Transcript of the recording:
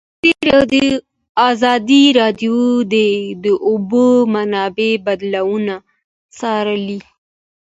ازادي راډیو د د اوبو منابع بدلونونه څارلي.